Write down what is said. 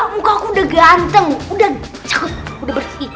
mukaku udah ganteng udah cekut udah bersih